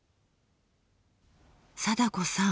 貞子さん